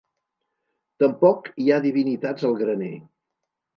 Tampoc hi ha divinitats al graner.